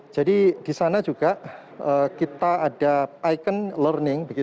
jadi di sana juga kita ada icon learning